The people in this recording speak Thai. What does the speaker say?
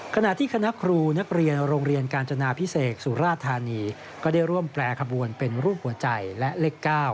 ขณะที่คณะครูนักเรียนโรงเรียนกาญจนาพิเศษสุราธานีก็ได้ร่วมแปรขบวนเป็นรูปหัวใจและเลข๙